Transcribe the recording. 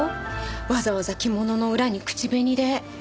わざわざ着物の裏に口紅で。